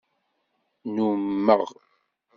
Nnummeɣ.